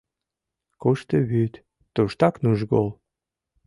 Кушто вӱд, туштак нужгол.